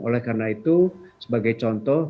oleh karena itu sebagai contoh